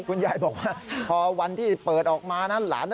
คุณยายบอกว่าพอวันที่เปิดออกมานั้นหลาน